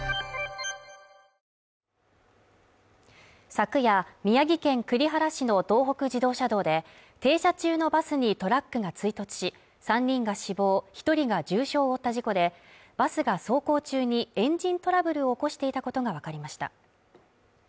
昨夜、宮城県栗原市の東北自動車道で停車中のバスにトラックが追突し、３人が死亡、１人が重傷を負った事故で、バスが走行中にエンジントラブルを起こしていたことがわかりました。